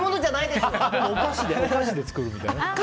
お菓子で作るみたいなね。